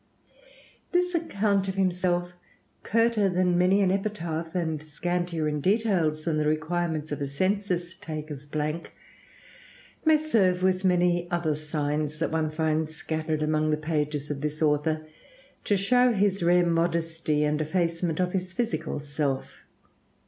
This account of himself, curter than many an epitaph, and scantier in details than the requirements of a census taker's blank, may serve, with many other signs that one finds scattered among the pages of this author, to show his rare modesty and effacement of his physical self.